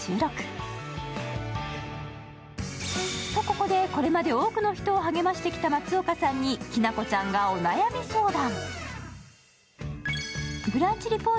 ここまで多くの人を励ましてきた松岡さんにきなこちゃんがお悩み相談。